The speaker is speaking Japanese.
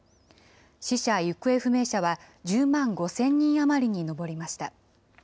死者・行方不明者は１０万５０００人余りに上りました。